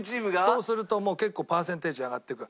そうするともう結構パーセンテージ上がってくよ。